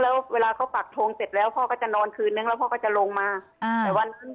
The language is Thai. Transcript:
แล้วเวลาเขาปักทงเสร็จแล้วพ่อก็จะนอนคืนนึงแล้วพ่อก็จะลงมาอ่าแต่วันขึ้น